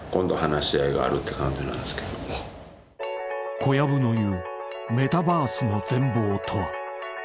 ［小籔の言うメタバースの全貌とは？］